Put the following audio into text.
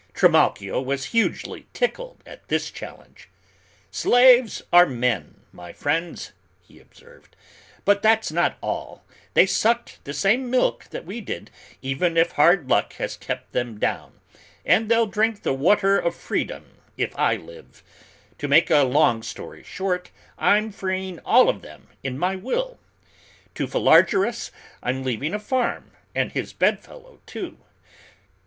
Trimalchio was hugely tickled at this challenge. "Slaves are men, my friends," he observed, "but that's not all, they sucked the same milk that we did, even if hard luck has kept them down; and they'll drink the water of freedom if I live: to make a long story short, I'm freeing all of them in my will. To Philargyrus, I'm leaving a farm, and his bedfellow, too.